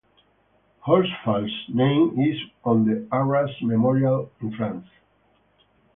Horsfall's name is on the Arras Memorial in France.